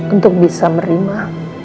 untuk bisa merima